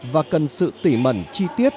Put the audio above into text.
và cần sự tỉ mẩn chi tiết